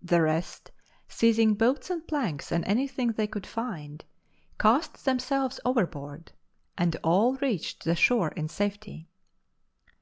The rest, seizing boats and planks and any thing they could find, cast themselves over board, and all reached the shore in safety.